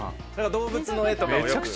動物の絵とかをよく。